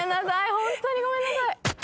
ホントにごめんなさい。